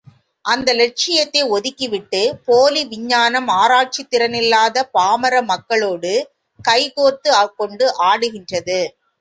அந்த லட்சியத்தை ஒதுக்கி விட்டுப் போலி விஞ்ஞானம் ஆராய்ச்சித் திறனில்லாத பாமர மக்களோடு கைகோத்துக் கொண்டு ஆடுகின்றது.